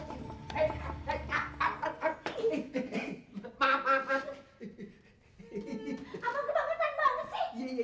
bini udah mau ditembak boleh disini ya